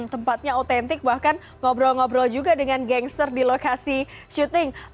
tempatnya otentik bahkan ngobrol ngobrol juga dengan gangster di lokasi syuting